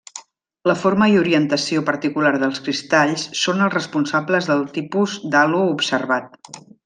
La forma i orientació particular dels cristalls són els responsables del tipus d'halo observat.